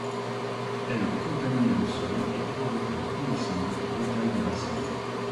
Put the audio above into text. Elle contamine le sol et provoque le pourrissement brutal des racines.